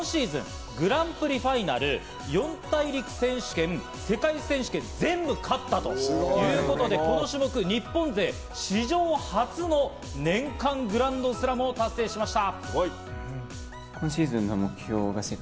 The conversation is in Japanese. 自己最高得点で、初優勝を果たしたんです、すごいのがですね、この優勝で、今シーズン、グランプリファイナル、四大陸選手権、世界選手権、全部勝ったということで、この種目、日本勢史上初の年間グランドスラムを達成しました。